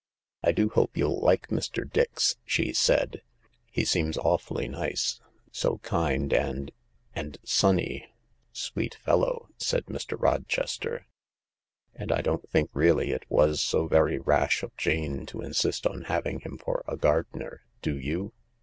" I do hope you'll like Mr. Dix," she said, " He seems awfully nice. So kind and — and sunny." " Sweet fellow," said Mr. Rochester. " And I don't think really it was so very rash of Jane to insist on having him for a gardener. Do you